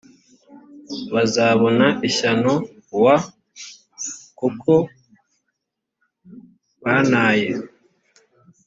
bazabona ishyano w kuko bantaye